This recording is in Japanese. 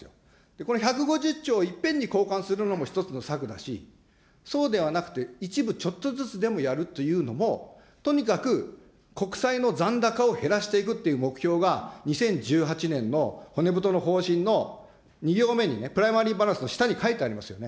これ、１５０兆をいっぺんに交換するのも一つの策だし、そうではなくて、一部、ちょっとずつでもやるっていうのも、とにかく国債の残高を減らしていくという目標が、２０１８年の骨太の方針の２行目にね、プライマリーバランスの下に書いてありますよね。